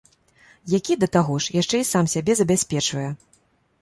Які, да таго ж, яшчэ і сам сябе забяспечвае!